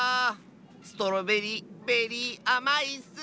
ストロベリーベリーあまいッス！